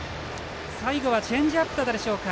最後はチェンジアップだったでしょうか。